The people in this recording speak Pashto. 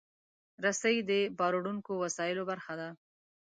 رسۍ د باروړونکو وسایلو برخه ده.